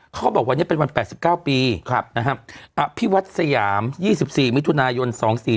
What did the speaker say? เขาบอกวันนี้เป็นวัน๘๙ปีอภิวัตสยาม๒๔มิถุนายน๒๔๔